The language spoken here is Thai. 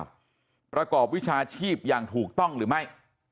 ประกอบวิชาชีพอย่างถูกต้องหรือไม่